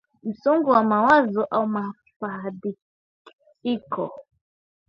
Msongo wa mawazo au mafadhaiko